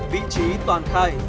vị trí toàn khai